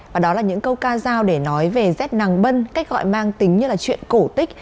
và đó là những câu ca giao để nói về rét nàng bân cách gọi mang tính như là chuyện cổ tích